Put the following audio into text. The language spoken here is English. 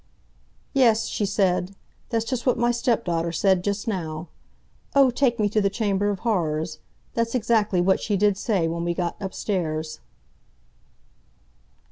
"Yes," she said; "that's just what my stepdaughter said just now. 'Oh, take me to the Chamber of Horrors'—that's exactly what she did say when we got upstairs."